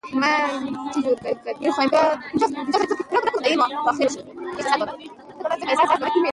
مس د افغانستان د جغرافیې بېلګه ده.